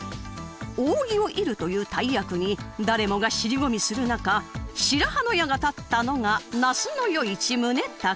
扇を射るという大役に誰もが尻込みする中白羽の矢が立ったのが那須与一宗隆。